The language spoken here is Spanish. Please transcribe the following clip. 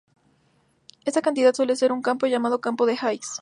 Esta cantidad suele ser un campo, llamado campo de Higgs.